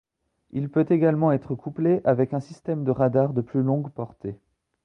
Il peut également être couplé avec un système de radar de plus longue portée.